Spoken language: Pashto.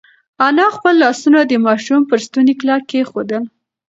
انا خپل لاسونه د ماشوم پر ستوني کلک کېښودل.